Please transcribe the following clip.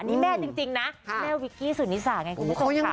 นี่แม่จริงนะแม่วิกกี้สุนิสาไงคุณผู้ชมค่ะ